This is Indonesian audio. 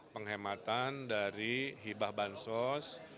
penghematan dari hibah bansos